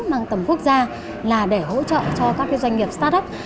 mang tầm quốc gia là để hỗ trợ cho các doanh nghiệp start up